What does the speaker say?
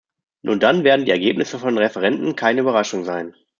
Nur dann werden die Ergebnisse von Referenden keine Überraschung sein.